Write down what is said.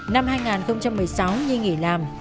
năm hai nghìn một mươi sáu nhi nghỉ làm